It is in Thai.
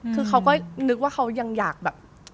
คือเขาก็นึกว่าเขายังอยากแบบ